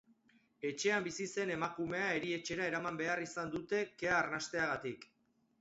Etxean bizi zen emakumea erietxera eraman behar izan dute kea arnasteagatik.